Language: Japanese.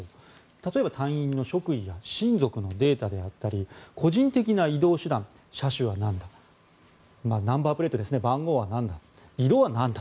例えば隊員の職位や親族のデータであったり個人的な移動手段車種はなんだナンバープレート番号はなんだ、色はなんだ